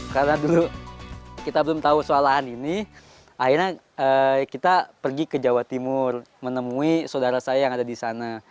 karena dulu kita belum tahu soalan ini akhirnya kita pergi ke jawa timur menemui saudara saya yang ada di sana